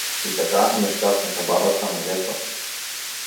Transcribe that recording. И така нещастната баба стана жертва!